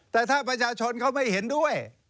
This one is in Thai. แต่ถ้าประชาชนเขาไม่เห็นด้วย